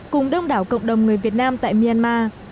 cùng đông đảo cộng đồng người việt nam tại myanmar